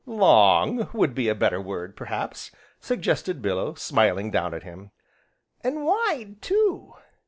"Long, would be a better word, perhaps," suggested Bellew, smiling down at him. "An' wide, too!"